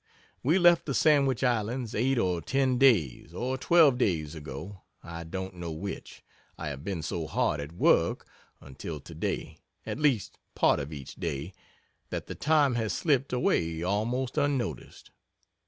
We left the Sandwich Islands eight or ten days or twelve days ago I don't know which, I have been so hard at work until today (at least part of each day,) that the time has slipped away almost unnoticed.